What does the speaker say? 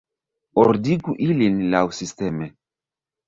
Ordigu ilin laŭsisteme.